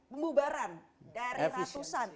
pembubaran dari ratusan